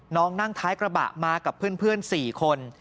นั่งท้ายกระบะมากับเพื่อน๔คน